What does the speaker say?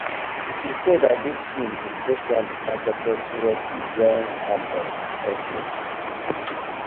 It is said that this film is specifically targeted toward the young adult audience.